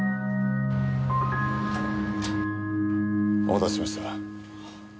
お待たせしました。